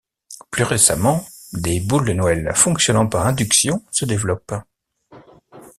Plus récemment, des boules de Noël fonctionnant par induction se développent.